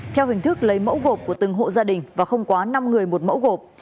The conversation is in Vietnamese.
theo hình thức lấy mẫu gộp của từng hộ gia đình và không quá năm người một mẫu gộp